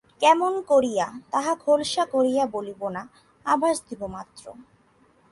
কেমন করিয়া, তাহা খোলসা করিয়া বলিব না, আভাস দিব মাত্র।